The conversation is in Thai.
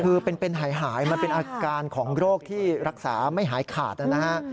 คือเป็นหายมันเป็นอาการของโรคที่รักษาไม่หายขาดนะฮะ